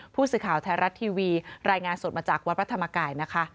ผู้สื่อข่าวไทยรัฐทีวีรายงานสดมาจากวัดพระธรรมกายนะคะ